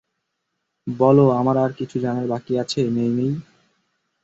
বলো, আমার আর কিছু জানার বাকী আছে, মেই-মেই?